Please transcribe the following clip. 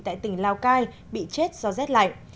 tại tỉnh lào cai bị chết do rét lạnh